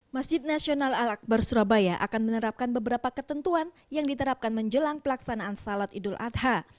masjid nasional al akbar surabaya akan menerapkan beberapa ketentuan yang diterapkan menjelang pelaksanaan salat idul adha